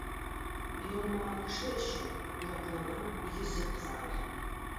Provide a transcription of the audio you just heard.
Оялмаган кеше өчен оятлының йөзе кызарыр.